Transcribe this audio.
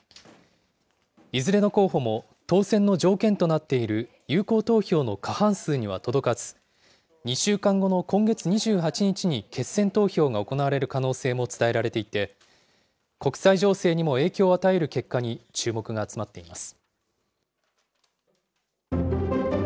いずれの候補も、当選の条件となっている有効投票の過半数には届かず、２週間後の今月２８日に決選投票が行われる可能性も伝えられていて、国際情勢にも影響を与える結果に注目が集まっています。